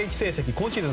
今シーズン